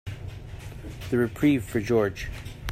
The reprieve for George.